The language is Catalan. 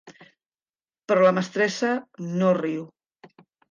Però la mestressa no riu.